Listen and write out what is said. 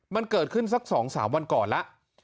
มันเกิดขึ้นสักสองสามวันก่อนละ